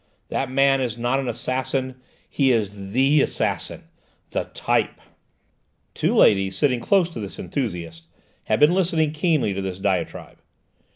That man is not an assassin: he is The Assassin the Type!" Two ladies, sitting close to this enthusiast, had been listening keenly to this diatribe.